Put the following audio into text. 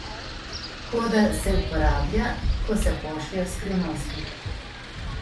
Koda se uporablja, ko se pošljejo skrivnosti.